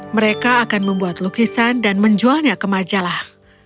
mereka akan membuat lukisan dan menjualnya ke majalah